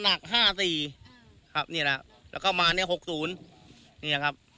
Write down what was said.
หกห้าสี่ครับเนี่ยล่ะแล้วก็มาเนี่ยหกศูนย์เนี่ยครับ